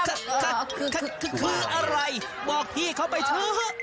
คืออะไรบอกพี่เขาไปเถอะ